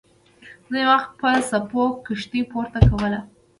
ځینې وخت به څپو کښتۍ پورته کوله.